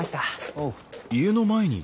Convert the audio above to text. おう。